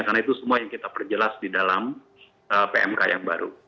karena itu semua yang kita perjelas di dalam pmk yang baru